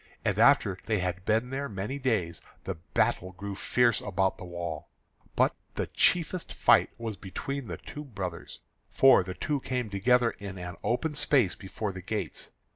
And after they had been there many days, the battle grew fierce about the wall. But the chiefest fight was between the two brothers, for the two came together in an open space before the gates.